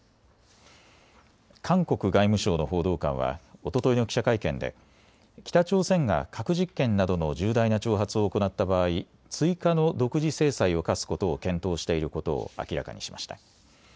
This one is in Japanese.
韓国外務省の報道官はおとといの記者会見で北朝鮮が核実験などの重大な挑発を行った場合、追加の独自制裁を科すことを検討していることを明らかにしました。